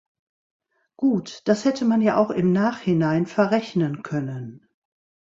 Gut, das hätte man ja auch im Nachhinein verrechnen können.